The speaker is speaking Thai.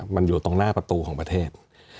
มันอยู่ตรงหน้าประตูของประเทศ